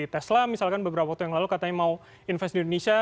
tesla misalkan beberapa waktu yang lalu katanya mau invest di indonesia